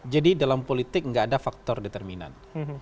jadi dalam politik nggak ada faktor determinan